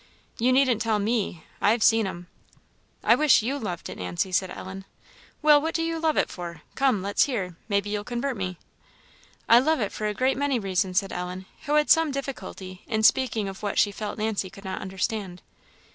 You needn't tell me I've seen 'em." "I wish you loved it, Nancy," said Ellen. "Well, what do you love it for? Come, let's hear; maybe you'll convert me." "I love it for a great many reasons," said Ellen, who had some difficulty in speaking of what she felt Nancy could not understand.